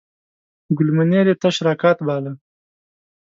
ګل منیر یې تش راکات باله.